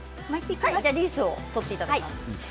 リースを取っていきます。